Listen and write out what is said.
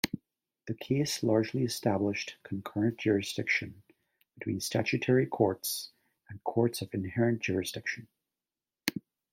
The case largely established concurrent jurisdiction between statutory courts and courts of inherent jurisdiction.